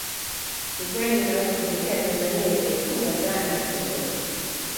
Ni kweli inaweza kutokea Tanzania ikaifunga Ghana katika soka